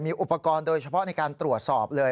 มีอุปกรณ์โดยเฉพาะในการตรวจสอบเลย